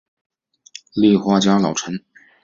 立花家老臣。